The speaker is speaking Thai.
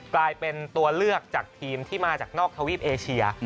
กลายเป็นตัวเลือกจากทีมที่มาจากนอกทวีปเอเชีย